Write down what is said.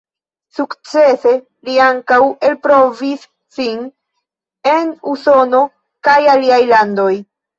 Sukcese li ankaŭ elprovis sin en Usono kaj aliaj landoj.